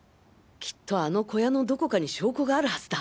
きっとあの小屋のどこかに証拠があるはずだ。